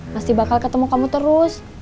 masih bakal ketemu kamu terus